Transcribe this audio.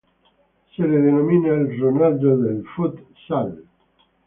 Se lo denomina "El Ronaldo del futsal".